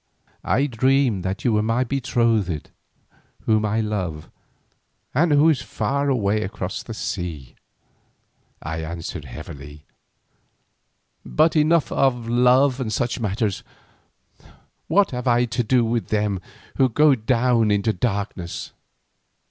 "I dreamed that you were my betrothed whom I love, and who is far away across the sea," I answered heavily. "But enough of love and such matters. What have I to do with them who go down into darkness?"